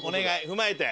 踏まえて。